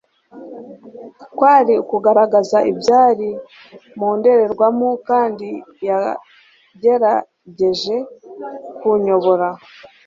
kwari ukugaragaza ibyari mu ndorerwamo kandi yagerageje kunyobora